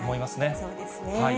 そうですね。